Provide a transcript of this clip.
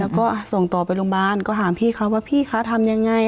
แล้วก็ส่งต่อไปโรงพยาบาลก็ถามพี่เขาว่าพี่คะทำยังไง